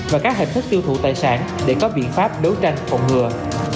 và các hình thức tiêu thụ tài sản để có biện pháp đấu tranh phòng ngừa